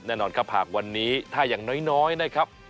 แน่นอนครับหากวันนี้ถ้าอย่างน้อยนะครับ